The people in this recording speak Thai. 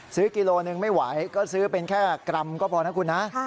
กิโลหนึ่งไม่ไหวก็ซื้อเป็นแค่กรัมก็พอนะคุณนะ